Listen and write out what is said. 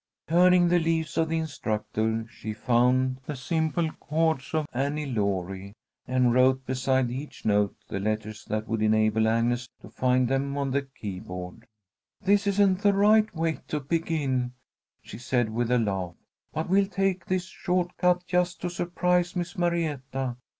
Turning the leaves of the instructor, she found the simple chords of "Annie Laurie," and wrote beside each note the letters that would enable Agnes to find them on the keyboard. "This isn't the right way to begin," she said, with a laugh, "but we'll take this short cut just to surprise Miss Marietta.